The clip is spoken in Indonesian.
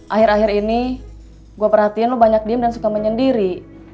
akhir akhir ini gue perhatiin lo banyak diem dan suka menyendiri